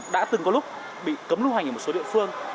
đã từng có lúc bị cấm lưu hành ở một số địa phương